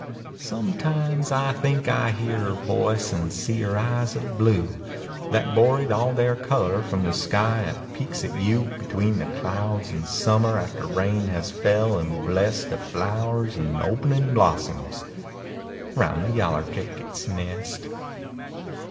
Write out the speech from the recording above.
Sometimes I think I hear er voice An see er eyes of blue, That borried all their color from The sky at peeks at you Between the clouds in summer After rain has fell an blessed The flowers an openin" blossoms Round the yaller jackets nest.